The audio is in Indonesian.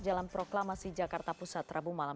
jalan proklamasi jakarta pusat rabu malam